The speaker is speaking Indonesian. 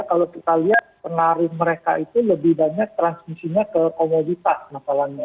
kalau kita lihat pengaruh mereka itu lebih banyak transmisinya ke komoditas masalahnya